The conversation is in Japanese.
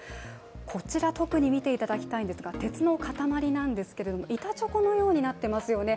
こちら、特に見ていただきたいんですが鉄の塊なんですが、板チョコのようになっていますよね。